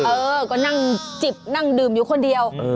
เออก็นั่งจิบนั่งดื่มอยู่คนเดียว